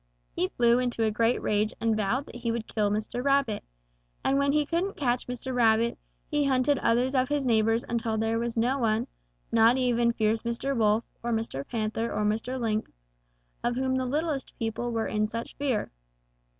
He flew into a great rage and vowed that he would kill Mr. Rabbit, and when he couldn't catch Mr. Rabbit, he hunted others of his neighbors until there was no one, not even fierce Mr. Wolf or Mr. Panther or Mr. Lynx, of whom the littlest people were in such fear.